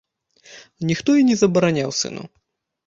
Ніхто і не забараняў сыну.